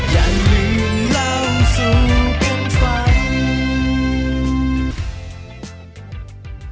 อย่าลืมเล่าสู่กันฟัง